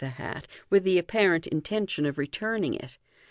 the hat, with the apparent in tention of returning it.